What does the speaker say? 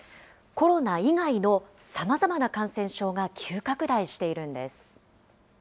コロナ以外のさまざまな感染症が急拡大しているんです。